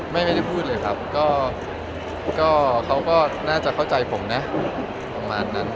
ไม่ได้พูดเลยครับก็เขาก็น่าจะเข้าใจผมนะประมาณนั้น